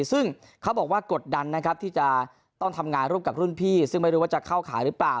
ซึ่งเขาบอกว่ากดดันนะครับที่จะต้องทำงานร่วมกับรุ่นพี่ซึ่งไม่รู้ว่าจะเข้าขายหรือเปล่า